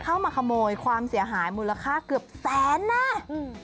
เข้ามาขโมยความเสียหายมูลค่าเกือบแสนนะอืม